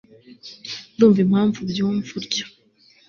Ndumva impamvu ubyumva utyo